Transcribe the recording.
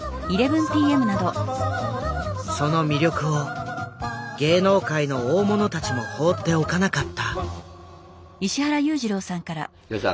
その魅力を芸能界の大物たちも放っておかなかった。